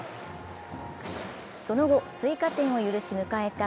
その後、追加点を許し迎えた